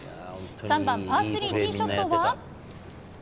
３番パー３ティーショットは？